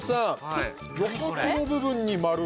余白の部分に丸。